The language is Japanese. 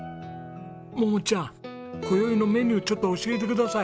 桃ちゃん今宵のメニューちょっと教えてください。